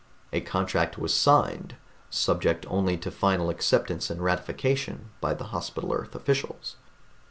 A contract was signed, subject only to final acceptance and ratification by the Hospital Earth officials.